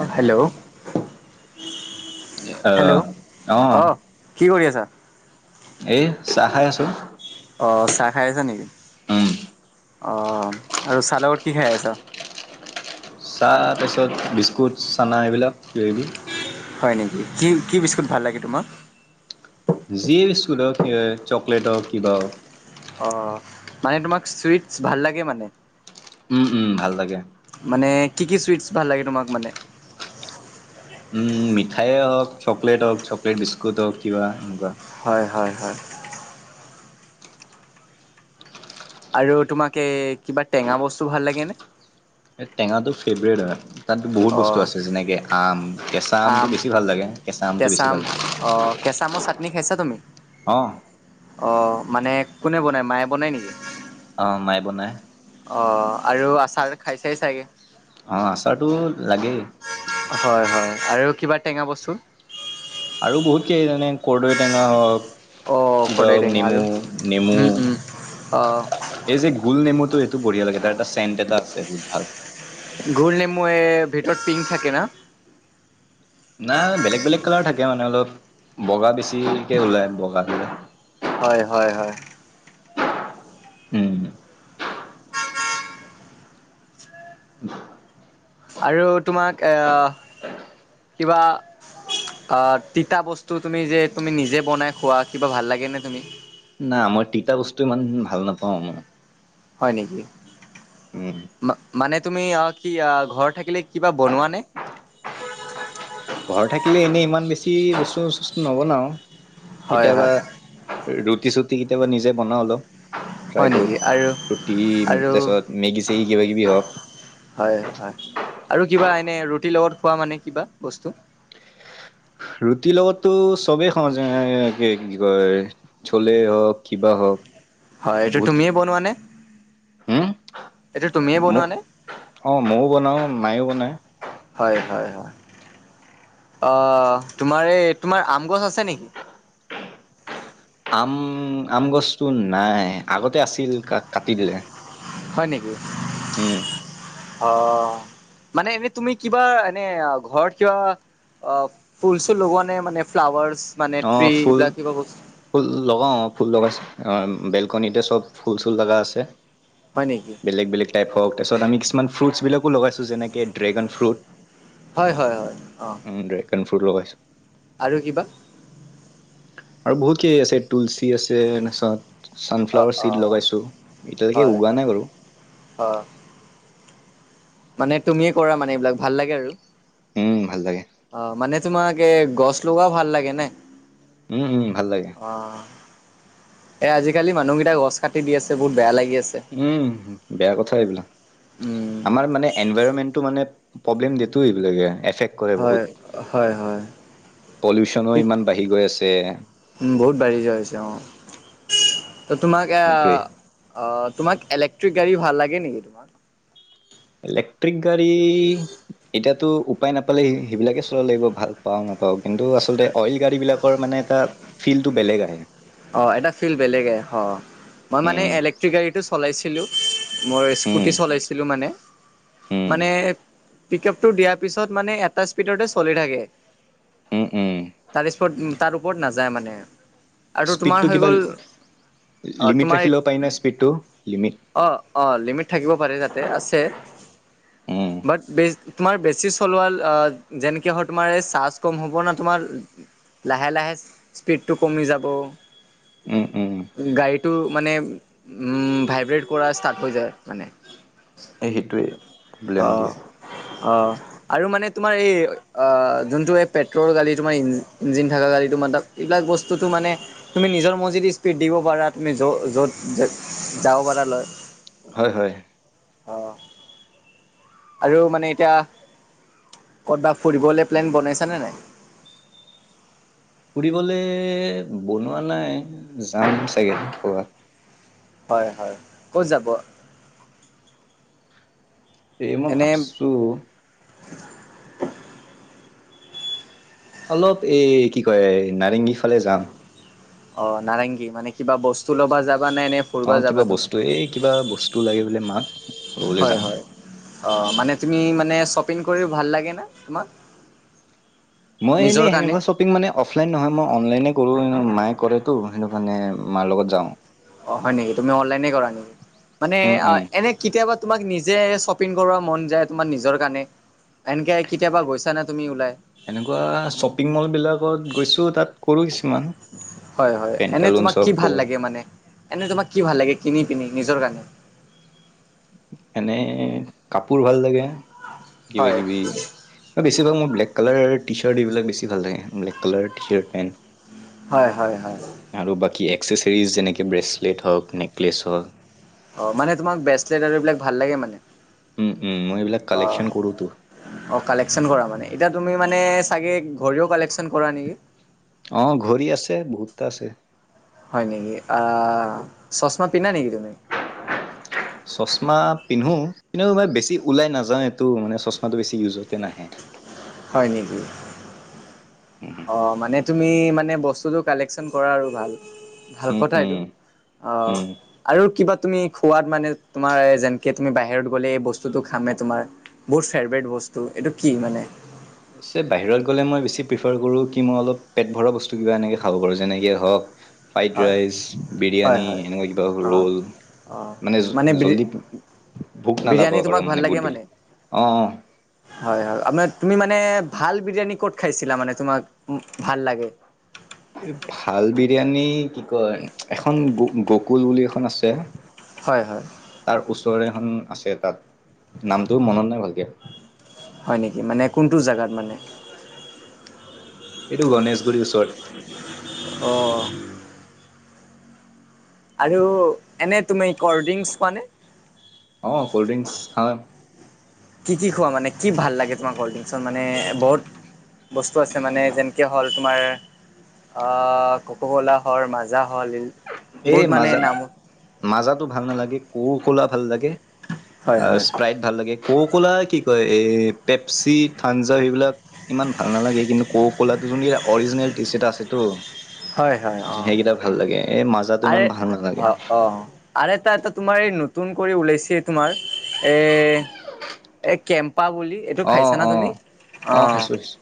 অ hello. Hello আহ অ কি কৰি আছ? এ চাহ খাই আছো। আহ চাহ খাই আছা নেকি? উম অ আৰু চাহ লগত কি খাই আছ? চাহ তাৰপিছত বিস্কুট চানা এইবিলাক [unintelligible] হয় নেকি কি কি বিস্কুট ভাল লাগে তোমাক? যিয়ে বিস্কুট হওক সেই চকলেট হওক কিবা হওক। অ মানে তোমাক চুইটছ ভাল লাগে মানে। উম উম ভাল লাগে। মানে কি কি চুইটছ ভাল লাগে তোমাক মানে? উম মিঠাইয়ে হওক চকলেট হওক চকলেট বিস্কুট হওক কিবা এনেকুৱা হয় হয় হয়। আৰু তোমাক এই কিবা টেঙা বস্তু ভাল লাগেনে? টেঙাটো ফেভৰেট হয়। তাত বহুত অ বস্তু আছে যেনেকৈ আম কেঁচা আমটো আম, বেছি ভাল লাগে কেঁচা আমটো বেছি ভাল লাগে। অ কেঁচা আমো চাটনি খাইছা তুমি? অঁ। অঁ মানে কোনে বনায় মায়ে বনায় নেকি? অ মাই বনাই। অ আৰু আচাৰ খাইছেই চাগে? অ আচাৰটো লাগেই। হয় হয় আৰু কিবা টেঙা বস্তু? আৰু বহুত কি যেনে কৰ্দৈ টেঙা হওক অ', কি খৰদৈ টেঙা নেমু আৰু নেমু উম, উম। অ', এই যে গুল নেমুটো বঢ়িয়া লাগে তাৰ এটা চেণ্ট এটা আছে বহুত ভাল। গুল নেমু এ ভিতৰত পিংক থাকে ন? নাই বেলেগ বেলেগ কালাৰ থাকে মানে অলপ বগা বেছিকে ওলাই বগা ধলে। হয়, হয়, হয়। উম। আৰু তোমাক আ, কিবা অ, তিতা বস্তু তুমি যে তুমি নিজে বনাই খোৱা কিবা ভাল লাগে নে তুমি? না, মই তিতা বস্তু ইমান ভাল নাপাও মই। হয় নেকি? উম মা-মানে তুমি কি ঘৰত থাকিলে কিবা বনোৱা নে? [inaudible] ঘৰত থাকিলে এনেই ইমান বেছি বচু চুচ নবনাও। হয়, কেতিয়াবা হয়, ৰুটি চুটি কেতিয়াবা নিজে বনাও অলপ। ফ্ৰাই হয় কৰো নেকি? আৰু ৰুটি আৰু তাৰিছত মেগী চেগি কিবা কিবি হওক। হয়, হয়, আৰু কিবা এনে ৰুটিৰ লগত খোৱা মানে কিবা বস্তু? ৰুটিৰ লগতো চবেই খাওঁ যাই কি কি কয় চলে হওক কিবা হওক। হয়, এইটো বহুত তুমিয়ে বনোৱানে? হম এইটো তুমিয়ে মোক বনোৱানে? অ, ময়ও বনাও মায়েও বনায়। হয়, হয়। আহ, তোমাৰ এই তোমাৰ আম গছ আছে নেকি? উম, আম গছটো নাই আগতে আছিল কা-কাটি দিলে। হয় নেকি? উম, অ, মানে এনেই তুমি কিবা এনে ঘৰত কিবা অ, ফুলছোল লগোৱা নে মানে ফ্লাৱৰ্চ? অ, ফুল, ফুল লগাও ফুল লগাইছো অ, বেলকনিতে চব ফুল চুল লগা আছে। হয় নেকি? বেলেগ বেলেগ টাইপ হক তাৰপিত আমি কিছুমান ফ্ৰুটচ বিলাকো লগাইছো যেনেকে ড্ৰেগন ফ্ৰুট। হয়, হয়, হয়, অ, উম ড্ৰেগন ফ্ৰুট লগাইছোঁ। আৰু কিবা? আৰু বহুত কেই আছে তুলসী আছে [unintelligible] অ', ছানফ্লাৱাৰ চিড অ', লগাইছো এতিয়ালৈকে হয়, উোৱা নাই বাৰু। অ', মানে তুমিয়ে কৰা মানে এইবিলাক? ভাল লাগে আৰু উম ভাল লাগে অ, মানে তোমাকে গছ লগাও ভাল লাগে নে? উম, উম, ভাল লাগে। অ', এ, আজিকালি মানুহকেইটটা গছ কাটি দি আছে বহুত বেয়া লাগে উম, বেয়া কথা এইবিলাক উম, আমাৰ মানে এনভাইৰণমেন্টটো মানে প্ৰব্লেম দিয়েটো এইবিলাকে এফেক্ট কৰে হয়, বহুত। হয়-হয়। পলিউচনো [unintelligible] ইমান বাঢ়ি গৈ আছে উম, বহুত বাঢ়ি যোৱা হৈছে অ, ত'তোমাক এ, সেইটোৱে। তোমাক ইলেক্ট্ৰিক গাড়ী ভাল লাগে নেকি তোমাক? ইলেক্ট্ৰিক গাড়ী এতিয়াতো উপায় নাপালে সেইবিলাকে চলাব লাগিব ভাল পাও ন পাও কিন্তু আচলতে অইল গাড়ী বিলাকৰ মানে এটা ফিলটো বেলেগ আহে, অ, এটা ফিল বেলেগ আহে মই মানে উম ইলেক্ট্ৰিক গাড়ীটো চলাইছ ছিলোঁ, মই উম স্কুটি চলাইছিলো মানে, উম মানে পিক আপটো দিয়াৰ পিছত মানে এটা স্পীডতে চলি থাকে, উম উম তাৰ [unintelligible] তাৰ ওপৰত নাযায় মানে, আৰু তোমাৰ স্পীডটো হৈ কিবা গ'ল, অ লিমিট তোমাৰ ৰাখি ল'ব পাৰি উ ন স্পীডটো লিমিট অ অ লিমিট থাকিব পাৰে তাত তে আছে উম বাট বেজ তোমাৰ বেছি চলোৱা যেনেকে হয় তোমাৰ এই চাৰ্জ কম হ'ব ন তোমাৰ লাহে লাহে স্পীডটো কমি যাব উম উম গাড়ীটো মানে ভাইব্ৰেট কৰা ষ্টাৰ্ট হৈ যায় মানে এই সেইটোৱে প্ৰব্লেম অ দিয়ে অ আৰু মানে তোমাৰ এই যোনটো এই পেট্ৰলৰ গাালি তোমাৰ ই ইঞ্জিন থকা গা়ি তোমাৰ এইবিলাক বস্তু তো মানে তুমি নিজৰ মছজিদি স্পীড দিব পাৰা তুমি য য'ত যাব পাৰা লয় হয় হয় অ আৰু মানে এতিয়া ক'ৰবাত ফুৰিবলৈ প্লেন বনাইছানে নাই [inaudible] ফুৰিবলে বনোৱা নাই যাম চাগে খোৱা হয় হয় ক'ত যাব এইেয়ে মই এনে ভাবছোঁ অলপ এই কি কয় নাৰেংগীৰ ফালে যাম অ নাৰেংগী মানে কিবা বস্তু ল'বা যাব অ কিবা বস্তু এই কিবা বস্তু লাগে বোলে মাক লবলৈ হয় যাাম হয় অ মানে তুমি মানে শ্বপিং কৰিও ভাল লাগে ন তোমাক মই নিজৰ কাৰণে এনেইনেুৱা শ্বপিং মানে অফলাইন নহয় মইল কৰো মায়ে কৰেতো সেইটো মানে মাৰ লগত যাওঁ অ হয় নেকি তুমি অনলাইনে কৰা নেকি মানে উম উম এনে কেতিয়াবা তোমাক নিজে শ্বপিং কৰবা মন যায় তোমাৰ নিজৰ কাৰণে এনকে কেতিয়াবা গৈছা নে তুমি ওলাই এনেকুৱা শ্বপিং মল বিলাকত গৈছো তাত কৰো কিছুমান হয় হয় এনে পেণ্টালুনচ তোমাক কি হওক ভাল ক'ৰবাত লাগে মানে এনে তোমাক কি ভাল লাগে কিনি পিনি নিজৰ কাৰণে এনে কাপোৰ ভাল লাগে কিবা হয় কিবি বেছ ভ মই ব্লেক কালাৰ টি ছাৰ্ট এইবাক বেছি ভাল লাগে black colour T shirt pant হয় হয় হয়। এক্সেচেৰিজ যেনেকৈ ব্ৰেচলেট হওক নেকলেছ হওক অ মানে তোমাক ব্ৰেচলেট আৰু এইবিলাক ভাল লাগে মানে উম উম মই এইবিলাক অ কালেকশ্যন কৰোতো অ কালেকচন কৰা মানে এতিয়া তুমি মানে চাগে ঘড়ীও কালেকচন কৰা নেকি? আহ ঘড়ী আছে বহুতটা আছে হয় নেকি অ চচমা পিন্ধা নেকি ত চচমা পিন্ধো কিন্তু মই বেছি ওলাই নাযাও এইটো মানে চচমাটো বেছি ইউজতে নাহে হয় নেকি অ মানে তুমি মানে বস্তুটো কালেকশ্যন কৰা আৰু ভাল ভাল উম কথা উম এইটো উম আৰু কিবা তুমি খোৱাত মানে তোমাৰ যেনকে তুমি বাহিৰত গ'লে এই বস্তুতটো খামে তোমাৰ বহু ফেভৰেট বস্তু এইটো কি মানে অৱশ্যে বাহিৰত গ'লে মই বেছি প্ৰিফাৰ কৰোঁ কি মই অলপ পেট ভৰা বস্তু কিবা এনেকে খাব পাৰোঁ যেনেকে হওক ফ্ৰাইড হয় ৰাইচ, হয় বিৰিয়ানী হয় এনেকুৱা কিবা অ ৰোল অ মানে ভোক নালাগক বিৰিয়ানী আৰু তোমাক ভাল বহুত লাগে দেৰি মানে অ হয় হয় আঁ তুমি মানে ভাল বিৰিয়ানী ক'ত খাইছিলা মানে তোমাক ভাল লাগে। ভাল বিৰিয়ানী কি কয় এখন গ গকুল বুলি এখন আছে হয় হয় তাৰ ওচৰে আছে তাত নামটো মনত নাই ভালকে। হয় নেকি মানে কোনটো জেগাত মানে এইটো গণেশগুৰিৰ ওচৰত। অঁ আৰু এনে তুমি কল ড্ৰিংকচ খোৱা নে। অ, কল্ড ড্ৰিংকচ খা কি, কি খোৱা মানে কি ভাল লাগে তোমাৰ কল্ড্ৰিংচত মানে বহুত বস্তু আছে মানে যেনকে হ'ল তোমাৰ অ ক'ক কলা, হল মাজা হ'ল এই বহুত মানে মাজা নাম মাজাতো ভাল নালাগে কৌকলা ভাল লাগে। হয় অ, হয় স্প্ৰাইট ভাল লাগে। কৌককলা কি কয় এই পেপচি থাঞ্জা সেইবিলাক ইমান ভাল নালাগে কিন্তু কৌককলাত জনী অৰিজিনেল টেষ্ট এটাআছে তো হয়, হয়, অ'। এই মাজাটো ইমান ভাল নালাগে আ, অ', অ', আৰু এটা, এটা তোমাৰ নতুন কৰি ওলাইচি তোমাৰ এই কেম্পা প, পা, বুলি এইটো খাইছ অ', না তুমি, অ', অ'। খাইছো খাইছো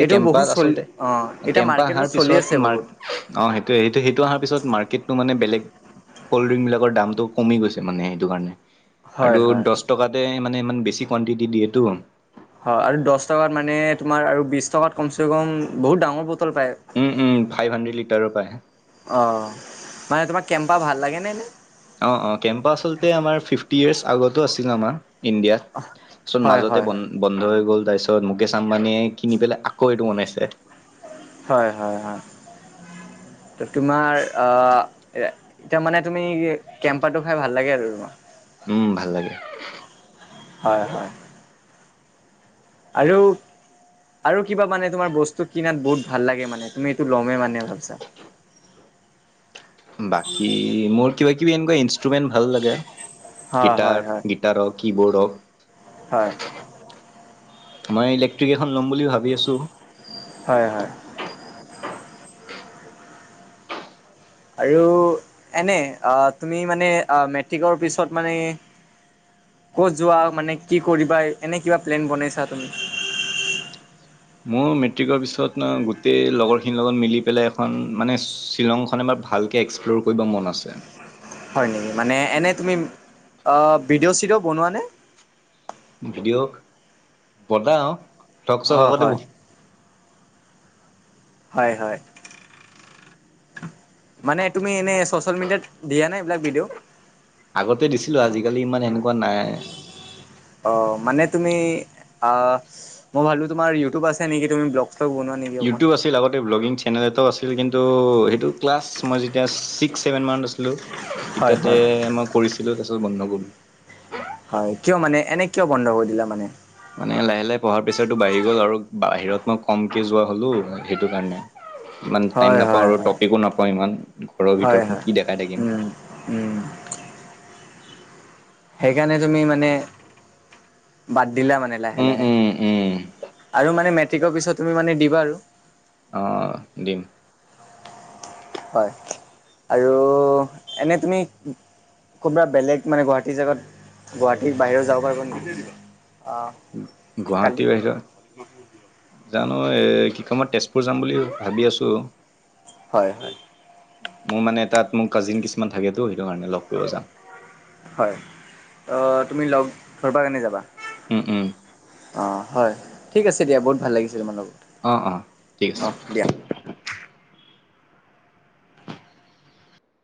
এই এইটো বহুত কেম্পাত চলি আচলতে অ, এতিয়া কেম্পা অহাৰ মাৰ্কেটত চলি পিছত আছে মাৰ্ক বহুত। অ, সেইটোয়, সেইটো, সেইটো অহাৰ পিছত মাৰ্কেতটো মানে বেলেগ কল্ড ড্ৰিংক বিলাকৰ দামটো কমি গৈছে মানে সেইটোকাৰণে। আৰু হয় হয় দছ হয়। টকাতে মানে ইমান বেছি কোহোৱাণ্টিটি দিয়েতো। হয়, আৰু দছ টকাত মানে তোমাৰ আৰু বিছ টকাত কমচে কম বহুত ডাঙৰ বট পাই উম উম ফাইভ হাণ্ড্ৰেড লিটাৰৰ পায় অ, মানে তোমাক কেম্পা ভাল লাগে নে। অ', অ', কেম্পা আচলতে আমাৰ ফিফটি ইয়াৰ্ছ আগতো আছিল আমাৰ। ইণ্ডিয়া চোন হয় মাজতে হয় বন হয় বন্ধ হৈ গ'ল। তাৰপিছত মুকেশ আম্বানীয়ে কিনি পেলাই আকৌ এইটো বনাইছে। হয়, হয়, হয়। তোমাৰ অ, এতিয়া মানে তুমি কেম্পাটো খাই ভাল লাগে আৰু। উম, ভাল লাগে। হয় হয়। আৰু আৰু কিবা মানে তোমাৰ বস্তু কিনাত বহুত ভাল লাগে মানে তুমি এইটো ল'মে মানে ভাবছা টেগ বাকী মোৰ কিবা, কিবি এনেকুৱা ইনষ্ট্ৰুমেন্ট ভাল লাগে। হয় হয় গীটাৰ, হয় গীটাৰ হওক কী বোৰ্ড হওক হয়। মই ইলেক্ট্ৰিক এখন ল'ম বুলি ভাবি আছো। হয়, হয়। আৰু এনে তুমি মানে মেট্ৰিকৰ পিছত মানে ক'ত যোৱা মানে কি কৰিবা এনে কি'বা প্লেন বনাইছা তুমি। মোৰ মেট্ৰিকৰ পিছত গোটেই লগৰখিনিৰ লগত মিলি পেলাই এখন মানে শ্বিলংখন এবাৰ ভালকে এক্সপ্ল'ৰ কৰিব মন আছে। মানে এনে তুমি ভিডিঅ', চিডিঅ' বনোৱা নে। ভিডিঅ' বনাও টক, চক অ' আগতে হয়। বহুত হয়, হয়। মানে তুমি এনে চচিয়েল মিডিয়াত দিয়া নাই এইবিলাক ভিডিঅ। আগতে দিছিলো আজিকালি ইমান এনেকুৱা নাই। ‌অ, মানে তুমি মই ভাবো তোমাৰ ইউটুব আছে নেকি। চলগ বনোৱা নেকি অকণমান? ইউটিউব আছিল আগতে ব্লগ তেনেদৰেটো আছিল, কিন্তু সেইটো ক্লাছ মই যেতিয়া ছিক্স, ছেভেন মানত আছিলোঁ। ঠিক হয় তাতে হয়। মই কৰিছিলো, তাৰ পিছত বন্ধ হৈ গ'ল। হয় কিয় মানে এনে কিয় বন্ধ কৰি দিলা মানে মানে লাহে লাহে পঢ়াৰ প্ৰেছাৰটো বাঢ়ি গ'ল আৰু বাহিৰত মই কমকে যোৱা হ'লো সেইটো কাৰণে ইমান টাইম হয় নাপাওঁ হয় আৰু হয় টপিকো নাপাওঁ ইমান ঘৰৰ হয় ভিতৰত নো হয় কি দেখাই থাকিম উম উম সেইকাৰণে তুমি মানে বাদ দিলা মানে লাহে উম লাহে উম উম আৰু মানে মেট্ৰিকৰ পিছত তুমি মানে দিবা আৰু অ দিম হয় আৰু এনেই তুমি ক'তবা বেলেগ মানে গুৱাহাটীৰ জেগাত গুৱাহাটী বাহিৰৰেও যাব পাৰিব নি গুৱাহাটীৰ বাহিৰত জানো এ কি মই তেজপুৰ যাম বুলি ভাবি আছোঁ হয় হয় মোৰ মানে তাত মোৰ কাজিন কিছুমান থাকেতো সেইটো কাৰণে লগ কৰিব যাম হয় তুমি লগ ধৰিবা কেনে যাবা উম উম অ হয় ঠিক আছে দিয়া বহুত ভাল লাগিছিলে মানুহ বোৰ অঁ অঁ ঠিক আছে